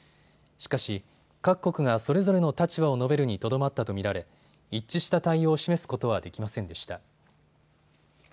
しかし、各国がそれぞれの立場を述べるにとどまったと見られ一致した対応を示すことはできませんでした。